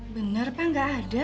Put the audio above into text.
bener enggak ada